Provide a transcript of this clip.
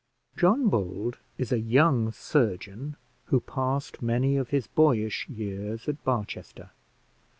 John Bold is a young surgeon, who passed many of his boyish years at Barchester.